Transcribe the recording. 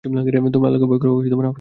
তোমরা আল্লাহকে ভয় কর ও আমাকে হেয় করো না।